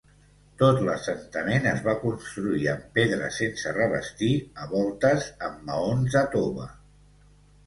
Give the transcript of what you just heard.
Tot l'assentament es va construir amb pedra sense revestir, a voltes amb maons de tova.